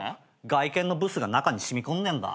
外見のブスが中に染みこんでんだ。